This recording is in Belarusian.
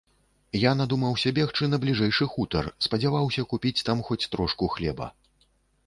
Я надумаўся бегчы на бліжэйшы хутар, спадзяваўся купіць там хоць трошку хлеба.